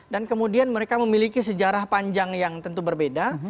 kemudian mereka memiliki sejarah panjang yang tentu berbeda